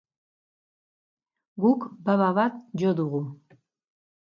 Guk baba bat jo dugu.